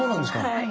はい。